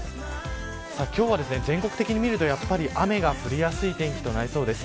今日は全国的に見ると雨が降りやすい天気になりそうです。